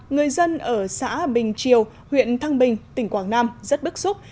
người dân ở xã bình triều huyện thăng bình tỉnh quảng nam rất bức xúc